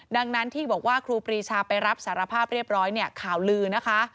ดังนั้นที่บอกว่าครูปรีชาไปรับสารภาพเรียบร้อยเนี่ยข่าวลือนะคะ